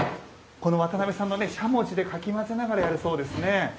この渡邊さんのしゃもじでかき混ぜながらやるそうですね。